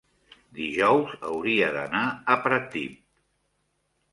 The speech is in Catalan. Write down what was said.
dijous hauria d'anar a Pratdip.